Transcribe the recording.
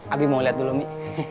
abi mau lihat dulu mi